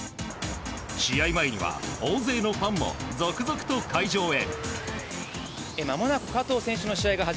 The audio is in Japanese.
試合前には大勢のファンも続々と会場へ。